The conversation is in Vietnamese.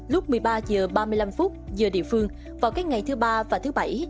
lúc một mươi ba h ba mươi năm giờ địa phương vào các ngày thứ ba và thứ bảy